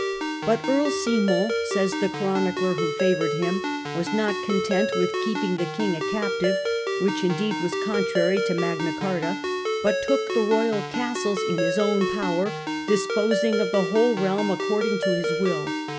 But Earl Simon, says the chronicler who favoured him, "was not content with keeping the king a captive" — which indeed was contrary to Magna Carta —" but took the royal castles in his own power, disposing of the whole realm according to his will.